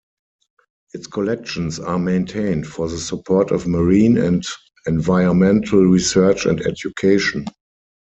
Its collections are maintained for the support of marine and environmental research and education.